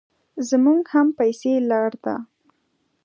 زموږ هم پسې لار ده.